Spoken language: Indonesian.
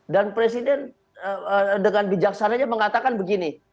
dan presiden dengan bijaksananya mengatakan begini